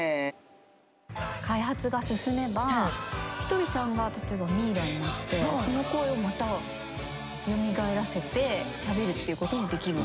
開発が進めばひとりさんが例えばミイラになってその声をまた蘇らせてしゃべるっていうこともできる。